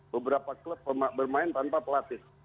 beberapa klub bermain tanpa pelatih